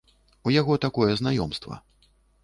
У яго такое знаёмства.